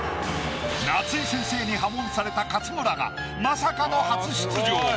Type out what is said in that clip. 夏井先生に破門された勝村がまさかの初出場。